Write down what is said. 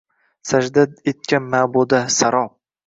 Sajda etgan maʼbuda – sarob?!